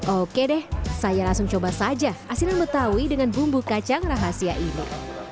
oke deh saya langsung coba saja asinan betawi dengan bumbu kacang rahasia ini